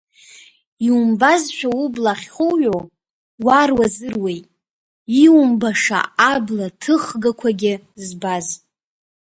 Иумбазшәа убла ахьхуҩо уаруазыруеит, иумбаша абла ҭыхгақәагьы збаз.